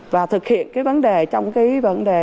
và thực hiện cái vấn đề trong cái vấn đề